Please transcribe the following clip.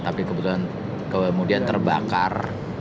tapi kebetulan kemudian terbakar